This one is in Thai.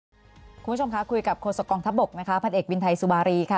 คุณผู้ชมคะคุยกับโฆษกองทัพบกนะคะพันเอกวินไทยสุมารีค่ะ